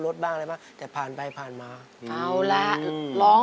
ร้องไปกับสายน้ำง